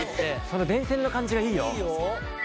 その電線の感じがいいよ！